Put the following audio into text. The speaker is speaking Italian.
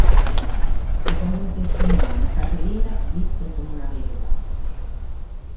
Secondo un testimone, Caterina visse come una vedova.